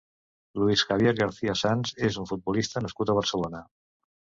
Luis Javier García Sanz és un futbolista nascut a Barcelona.